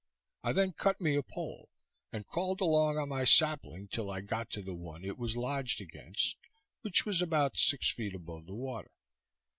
I then cut me a pole, and crawled along on my sapling till I got to the one it was lodged against, which was about six feet above the water.